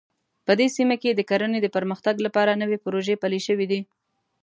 په دې سیمه کې د کرنې د پرمختګ لپاره نوې پروژې پلې شوې دي